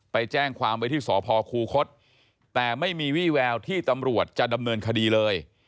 ไปแจ้งความไว้ที่สพคูคศแต่ไม่มีวี่แววที่ตำรวจจะดำเนินคดีเลย